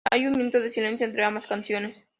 Hay un minuto de silencio entre ambas canciones.